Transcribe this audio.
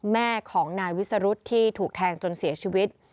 แม่ของนายวิสรุธที่ถูกแทงจนเสียชีวิต